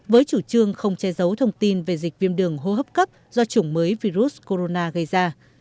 với chủ trương không che giấu thông tin về dịch viêm đường hô hấp cấp do chủng mới virus corona gây ra